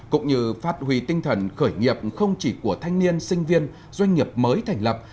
cũng như phát huy tinh thần khởi nghiệp không chỉ của thanh niên sinh viên doanh nghiệp mới thành lập